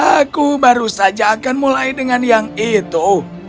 aku baru saja akan mulai dengan yang itu